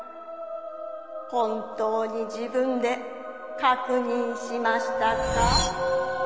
本当に自分で確認しましたか？